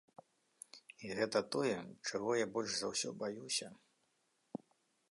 І гэта тое, чаго я больш за ўсё баюся.